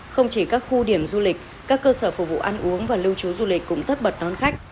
không chỉ các khu điểm du lịch các cơ sở phục vụ ăn uống và lưu trú du lịch cũng tất bật đón khách